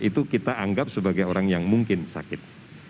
itu kita anggap sebagai orang yang mungkin sakit